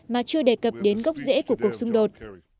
mà chưa đề cập đến gốc rễ của cuộc xung đột